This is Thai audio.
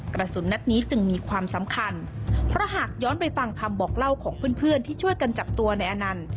กระสุนนัดนี้จึงมีความสำคัญเพราะหากย้อนไปฟังคำบอกเล่าของเพื่อนเพื่อนที่ช่วยกันจับตัวในอนันต์